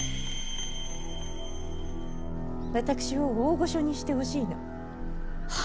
私を大御所にしてほしいの。は？